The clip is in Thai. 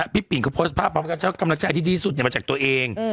ผู้ปิหยังโชคการแฟนสองครรภาพมาจากตัวเอง